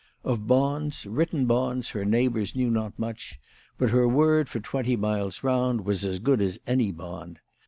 Of bonds, written bonds, her neighbours knew not much ; but her word for twenty miles round was as good as any bond.